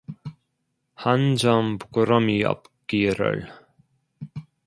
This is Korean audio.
한 점 부끄럼이 없기를